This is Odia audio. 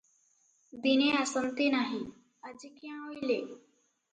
ଦିନେ ଆସନ୍ତି ନାହିଁ, ଆଜି କ୍ୟାଁ ଅଇଲେ ।